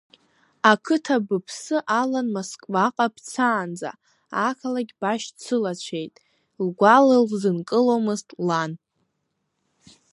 Ақыҭа быԥсы алан Москваҟа бцаанӡа, ақалақь башьцылацәеит, лгәала лзынкыломызт лан.